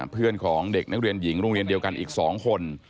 เพื่อนของเด็กนักเรียนหญิงโรงเรียนเดียวกันอีก๒คน